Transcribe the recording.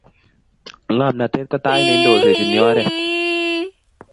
ngomnatet ko tait neindoisechini oret